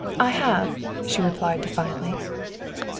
"I have!" she replied defiantly.